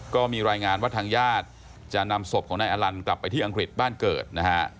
ก็มีรายงานว่าทางญาติจะนำศพของนายอลันกลับไปที่อังกฤษบ้านเกิดนะฮะ